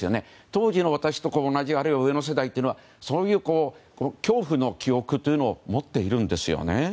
当時の私と同じあるいは上の世代というのはそういう恐怖の記憶を持っているんですよね。